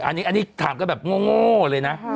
อันนี้ถามกันแบบโง่เลยนะ